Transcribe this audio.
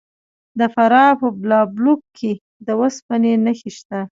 د فراه په بالابلوک کې د وسپنې نښې شته.